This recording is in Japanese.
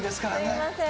すいません。